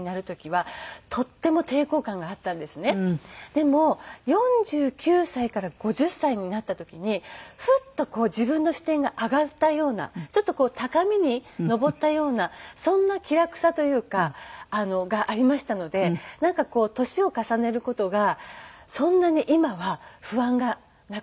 でも４９歳から５０歳になった時にふっとこう自分の視点が上がったようなちょっとこう高みに登ったようなそんな気楽さというかがありましたのでなんか年を重ねる事がそんなに今は不安がなくなりました。